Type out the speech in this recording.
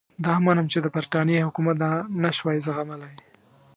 دا هم منم چې د برټانیې حکومت دا نه شوای زغملای.